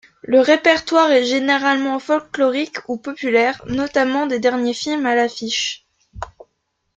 Le répertoire est généralement folklorique ou populaire, notamment des derniers films à l'affiche...